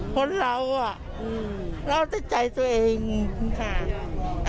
คนเราเราจะใจตัวเองค่ะ